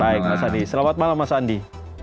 baik mas adi selamat malam mas adi